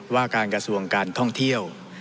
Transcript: ว่าการกระทรวงการท่องเที่ยว